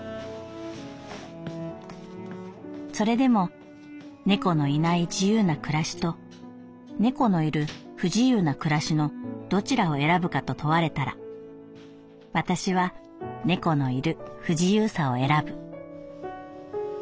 「それでも猫のいない自由な暮らしと猫のいる不自由な暮らしのどちらを選ぶかと問われたら私は猫のいる不自由さを選ぶ」。